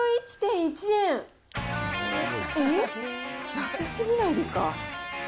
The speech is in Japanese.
安すぎないですか？